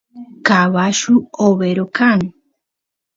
cabullu overo kan